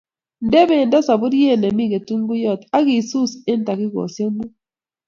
Nden pendo sapuriet ne mi kitunguyot ak ii suus eng' tagigosyek muut.